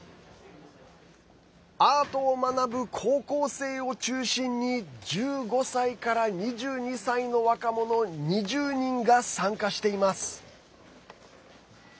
アートを学ぶ高校生を中心に１５歳から２２歳の若者２０人が参加しています。